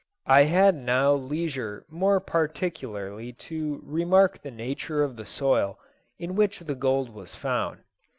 I had now leisure more particularly to remark the nature of the soil in which the gold was found.